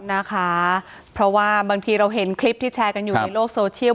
นะคะเพราะว่าบางทีเราเห็นคลิปที่แชร์กันอยู่ในโลกโซเชียล